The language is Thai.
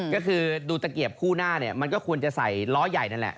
ก็คือดูตะเกียบคู่หน้าเนี่ยมันก็ควรจะใส่ล้อใหญ่นั่นแหละ